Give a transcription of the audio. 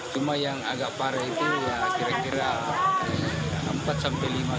cuma yang agak parah itu ya kira kira